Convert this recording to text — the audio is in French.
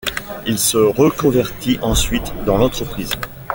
Il se reconvertit ensuite dans l'entreprise.